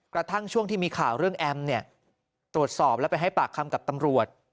กระทั่งช่วงที่มีข่าวเรื่องแอมเนี่ยตรวจสอบแล้วไปให้ปากคำกับตำรวจ